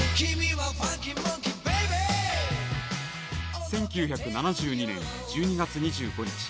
１９７２年１２月２５日。